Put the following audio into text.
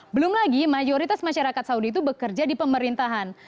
belum lagi mayoritas masyarakat saudi itu bekerja di pemerintahan